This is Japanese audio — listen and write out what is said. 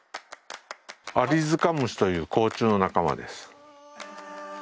アリヅカムシという甲虫の仲間です。